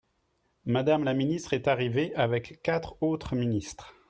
Madame la ministre est arrivée avec quatre autres ministres.